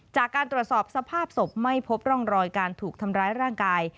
จากการตรวจสอบสภาพศพไม่พบร่องรอยการถูกทำร้ายร่างกาย